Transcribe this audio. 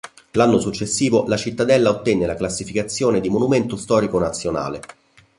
L'anno successivo la cittadella ottenne la classificazione di Monumento storico nazionale.